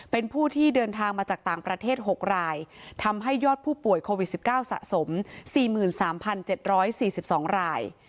เป็นผู้ที่เดินทางมาจากต่างประเทศ๖รายทำให้ยอดผู้ป่วยโควิด๑๙สะสม๔๓๗๔๒ราย